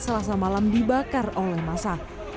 selasa malam dibakar oleh masa